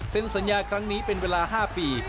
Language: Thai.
สัญญาครั้งนี้เป็นเวลา๕ปี